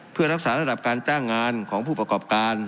เพื่อรักษาระดับการจ้างงานของผู้ประกอบการ